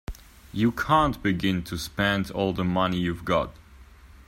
You can't begin to spend all the money you've got.